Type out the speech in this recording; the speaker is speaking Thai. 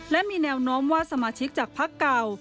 และมีแนวโน้มว่าสมาชิกจากพักเก่า